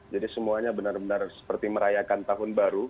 jadi semuanya benar benar seperti merayakan tahun baru